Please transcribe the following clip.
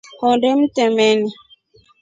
Hondee mtremeni.